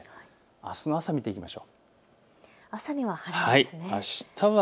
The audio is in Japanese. あすの朝を見ていきましょう。